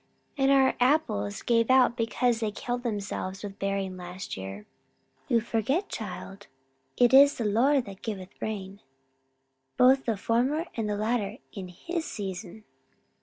"And our apples gave out because they killed themselves with bearing last year." "You forget, child, it is the Lord 'that giveth rain, both the former and the latter, in his season.'"